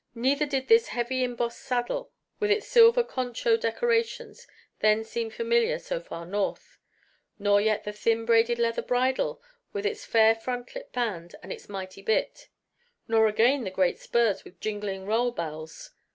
Neither did this heavy embossed saddle with its silver concho decorations then seem familiar so far north; nor yet the thin braided leather bridle with its hair frontlet band and its mighty bit; nor again the great spurs with jingling rowel bells.